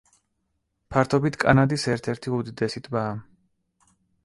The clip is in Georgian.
ფართობით კანადის ერთ-ერთი უდიდესი ტბაა.